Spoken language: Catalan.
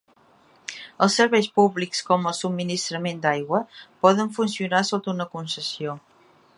Els serveis públics com el subministrament d'aigua poden funcionar sota una concessió.